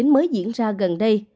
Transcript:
mới diễn ra gần đây